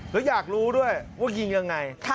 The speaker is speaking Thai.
แล้วอยากรู้ด้วยว่ายิงยังไง